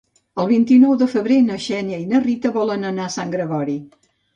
El vint-i-nou de febrer na Xènia i na Rita volen anar a Sant Gregori.